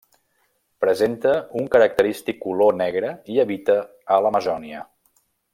Presenta un característic color negre i habita en l'Amazònia.